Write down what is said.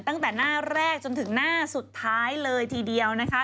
ตั้งแต่หน้าแรกจนถึงหน้าสุดท้ายเลยทีเดียวนะคะ